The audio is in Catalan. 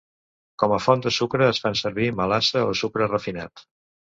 Com a font de sucre es fan servir melassa o sucre refinat.